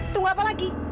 tunggu apa lagi